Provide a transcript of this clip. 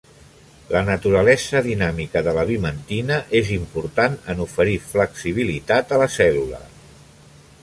La naturalesa dinàmica de la vimentina és important en oferir flexibilitat a la cèl·lula.